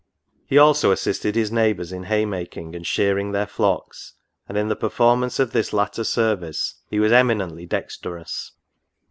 He also assisted his neighbours in hay making and shear ing their flocks, and in the performance of this latter ser vice he was eminently dexterous.